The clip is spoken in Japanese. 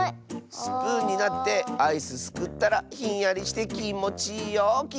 スプーンになってアイスすくったらひんやりしてきもちいいよきっと。